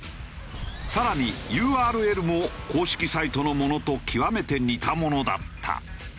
更にＵＲＬも公式サイトのものと極めて似たものだった。